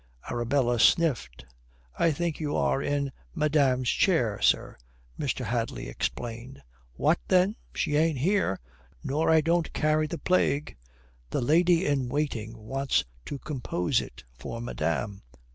Arabella sniffed. "I think you are in madame's chair, sir," Mr. Hadley explained. "What, then? She ain't here, nor I don't carry the plague." "The lady in waiting wants to compose it for madame."